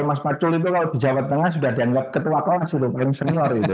mas pacul itu kalau di jawa tengah sudah dianggap ketua kelas itu paling senior gitu